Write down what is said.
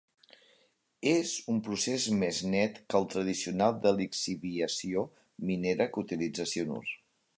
És un procés més net que el tradicional de lixiviació minera que utilitza cianur.